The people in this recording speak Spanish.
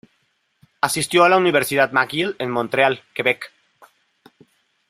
Asistió a la Universidad McGill en Montreal, Quebec.